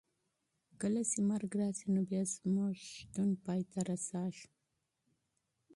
کله چې مرګ راشي نو بیا زموږ شتون پای ته رسېږي.